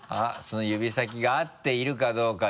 その指先が合っているかどうか。